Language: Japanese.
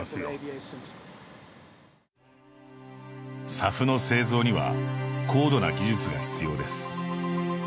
ＳＡＦの製造には高度な技術が必要です。